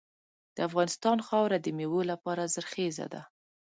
د افغانستان خاوره د میوو لپاره زرخیزه ده.